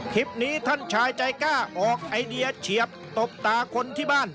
คลิปนี้ท่านชายใจกล้าออกไอเดียเฉียบตบตาคนที่บ้าน